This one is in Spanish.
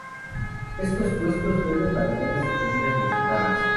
Estos puestos venden variedades de comidas mexicanas.